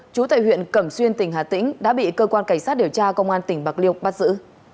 chú tại huyện cẩm xuyên tỉnh hà tĩnh đã bị cơ quan cảnh sát điều tra công an tỉnh bạc liêu bắt giữ